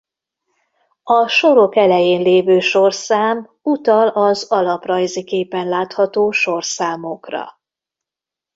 A sorok elején lévő sorszám utal az alaprajzi képen látható sorszámokra.